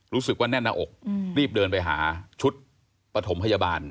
แน่นหน้าอกรีบเดินไปหาชุดปฐมพยาบาล